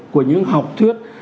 của những học thuyết